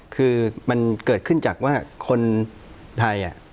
คือมันเกิดขึ้นจากว่าคนไทย